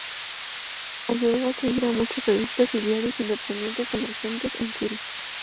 Ayudó a surgir a muchos revistas y diarios independientes emergentes en Siria.